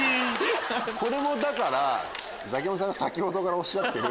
これもザキヤマさんが先ほどからおっしゃってる。